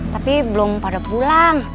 tapi belum pada pulang